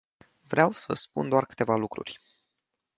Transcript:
Vreau să spun doar câteva lucruri.